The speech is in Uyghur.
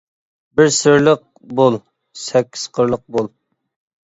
بىر سىرلىق بول، سەككىز قىرلىق بول.